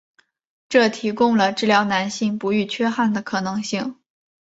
这提供了治疗男性不育缺憾的可能性。